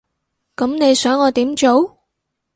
噉你想我點做？